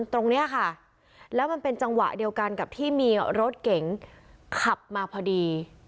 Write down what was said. ตรงนี้ค่ะแล้วมันเป็นจังหวะเดียวกันกับที่มีรถเก๋งขับมาพอดี